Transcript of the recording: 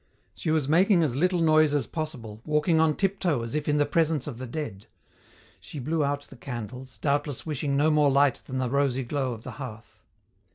She was making as little noise as possible, walking on tiptoe as if in the presence of the dead. She blew out the candles, doubtless wishing no more light than the rosy glow of the hearth.